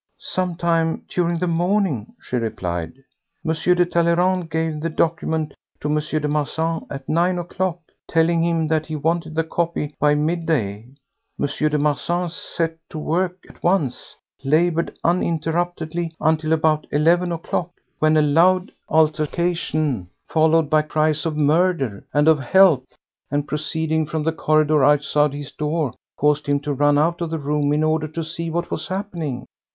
"Some time during the morning," she replied. "M. de Talleyrand gave the document to M. de Marsan at nine o'clock, telling him that he wanted the copy by midday. M. de Marsan set to work at once, laboured uninterruptedly until about eleven o'clock, when a loud altercation, followed by cries of 'Murder!' and of 'Help!' and proceeding from the corridor outside his door, caused him to run out of the room in order to see what was happening.